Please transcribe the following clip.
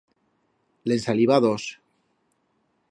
Le'n saliba dos.